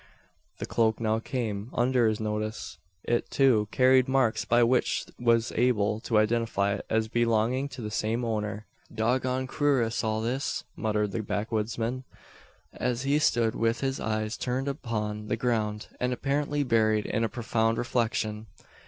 The cloak now came under his notice. It, too, carried marks, by which he was able to identify it as belonging to the same owner. "Dog goned kewrious, all this!" muttered the backwoodsman, as he stood with his eyes turned upon the ground, and apparently buried in a profound reflection.